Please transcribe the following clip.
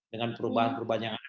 dengan perubahan perubahan yang ada